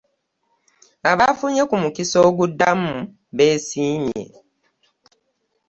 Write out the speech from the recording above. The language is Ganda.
Abafunye ku mukisa oguddamu beesiimye.